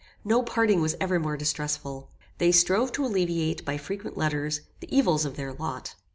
No parting was ever more distressful. They strove to alleviate, by frequent letters, the evils of their lot.